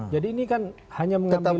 jadi ini kan hanya mengambil